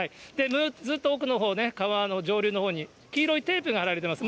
ずっと奥のほうね、川の上流のほうに黄色いテープが張られています。